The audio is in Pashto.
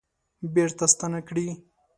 بیرته ستانه کړي